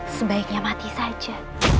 sebaiknya mati saja